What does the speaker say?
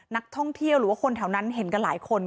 นักท่องเที่ยวหรือว่าคนแถวนั้นเห็นกันหลายคน